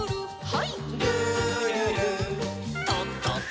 はい。